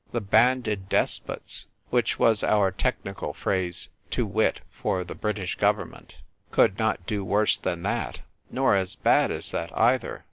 The Banded Despots — which was our technical phrase, to wit, for the British Government — "could not do worse than that, nor as bad as that either.